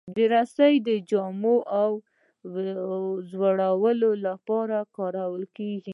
رسۍ د جامو وځړولو لپاره کارېږي.